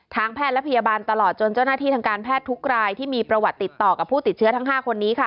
แพทย์และพยาบาลตลอดจนเจ้าหน้าที่ทางการแพทย์ทุกรายที่มีประวัติติดต่อกับผู้ติดเชื้อทั้ง๕คนนี้ค่ะ